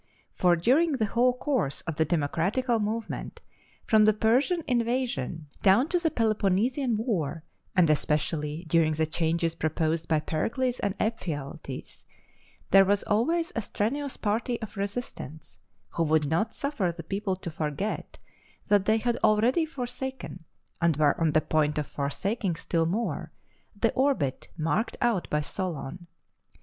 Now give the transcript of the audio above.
For during the whole course of the democratical movement, from the Persian invasion down to the Peloponnesian war, and especially during the changes proposed by Pericles and Ephialtes, there was always a strenuous party of resistance, who would not suffer the people to forget that they had already forsaken, and were on the point of forsaking still more, the orbit marked out by Solon.